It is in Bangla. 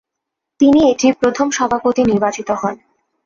তিনি এটির প্রথম সভাপতি নির্বাচিত হন।